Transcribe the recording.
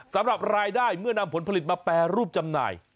สำหรับรายได้เมื่อนำผลผลิตมาแปรรูปจำหน่าย